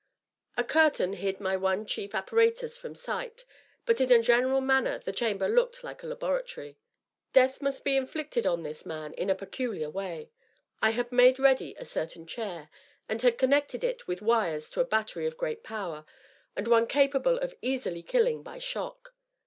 A curtain hid my one chief apparatus from sight ; but in a general manner the chamber looked Uke a laboratory. Death must be inflicted on this man in a peculiar way. I had made ready a certain chair, and had connected it with wires to a battery of great power, and one capable of easily killing by shock.